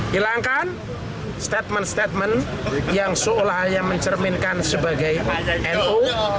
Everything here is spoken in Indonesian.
hilangkan statement statement yang seolah hanya mencerminkan sebagai nu